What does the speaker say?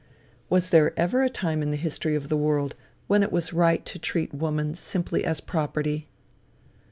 Was there ever a time in the history of the world when it was right to treat woman simply as property?